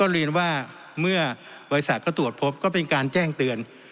เรียนว่าเมื่อบริษัทก็ตรวจพบก็เป็นการแจ้งเตือน